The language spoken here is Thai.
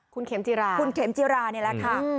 คุณเข็มจิราคุณเข็มจิรานี่แหละค่ะ